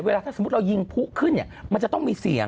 เวลาถ้าสมมติเรายิงพุขึ้นมันจะต้องมีเสียง